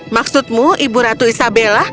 maksudmu ibu ratu isabella